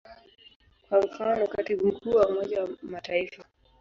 Kwa mfano, Katibu Mkuu wa Umoja wa Mataifa.